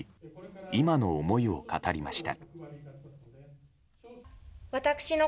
今の思いを語りました。